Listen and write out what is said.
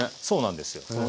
そうなんですよ。